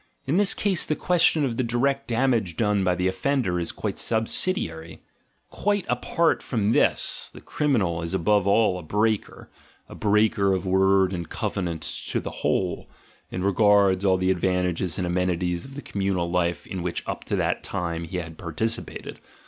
In this case the question of the direct damage done by the offender is quite sub sidiary: quite apart from this the criminal* is above all a breaker, a breaker of word and covenant to the whole, as regards all the advantages and amenities of the communal life in which up to that time he had participated.